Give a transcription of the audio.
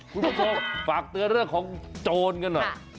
คุณผู้ชมฝากเตือนเรื่องของโจรกันหน่อย